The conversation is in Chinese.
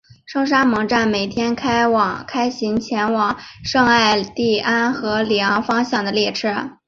圣沙蒙站每天开行前往圣艾蒂安和里昂方向的列车。